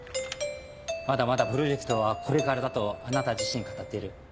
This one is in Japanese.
まだまだプロジェクトはこれからだとあなた自身語っている。